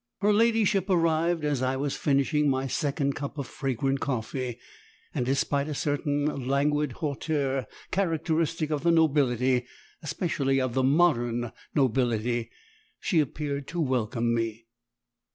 Her ladyship arrived as I was finishing my second cup of fragrant coffee, and despite a certain languid hauteur characteristic of the nobility, especially of the MODERN nobility, she appeared to welcome me.